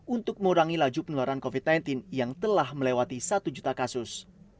untuk mengurangi laju penularan covid sembilan belas yang telah melewati satu juta kasus